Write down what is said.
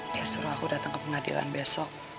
dia suruh aku datang ke pengadilan besok